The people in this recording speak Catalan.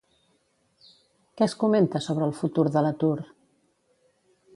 Què es comenta sobre el futur de l'atur?